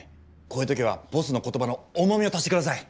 こういう時はボスの言葉の重みを足して下さい。